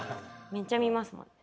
めっちゃ見ますもんね。